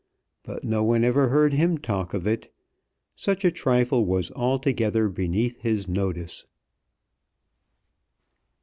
But no one ever heard him talk of it. Such a trifle was altogether beneath his notice.